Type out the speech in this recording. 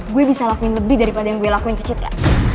gue bisa lakuin lebih daripada yang gue lakuin kecitra